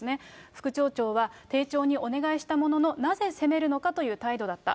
副町長は丁重にお願いしたもののなぜ責めるのかという態度だった。